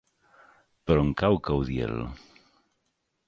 Per on cau Caudiel?